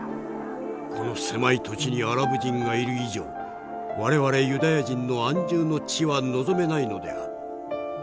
この狭い土地にアラブ人がいる以上我々ユダヤ人の安住の地は望めないのである。